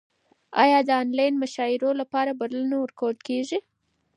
ایا د انلاین مشاعرو لپاره بلنه ورکول کیږي؟